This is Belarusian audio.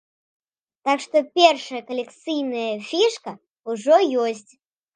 Так што першая калекцыйная фішка ўжо ёсць.